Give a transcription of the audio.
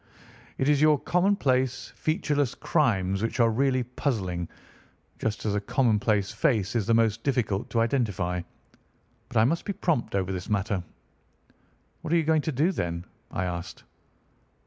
It is your commonplace, featureless crimes which are really puzzling, just as a commonplace face is the most difficult to identify. But I must be prompt over this matter." "What are you going to do, then?" I asked.